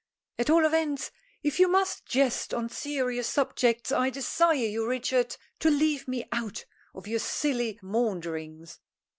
"At all events, if you must jest on serious subjects, I desire you, Richard, to leave me out of your silly maunderings."